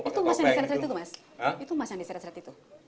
itu mas yang diseret itu mas